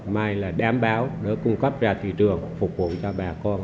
mai là đảm bảo đỡ cung cấp ra thị trường phục vụ cho bà con